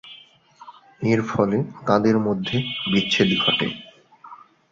এর ফলে তাঁদের মধ্যে বিচ্ছেদ ঘটে।